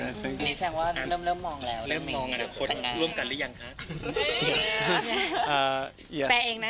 นี่แสดงว่าเริ่มมองแล้วนะพี่มีแสดงว่าเริ่มมองแล้วเริ่มมองคนน่ะคนน่ะร่วมกันหรือยังคะ